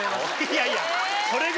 いやいや。